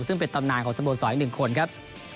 ซึ่งเป็นตำนานของสโมสรอีก๑คนครับ